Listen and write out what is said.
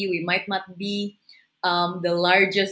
kita mungkin tidak menjadi